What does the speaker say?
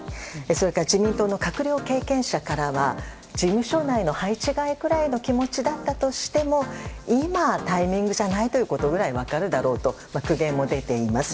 それから自民党の閣僚経験者からは事務所内の配置換えぐらいの気持ちだったとしても今、タイミングじゃないということぐらい分かるだろうという苦言も出ています。